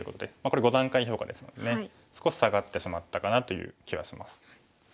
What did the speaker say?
これ５段階評価ですのでね少し下がってしまったかなという気はします。